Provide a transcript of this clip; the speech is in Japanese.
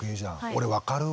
俺分かるわ。